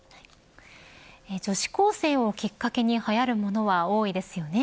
女子高生をきっかけにはやるものは多いですよね。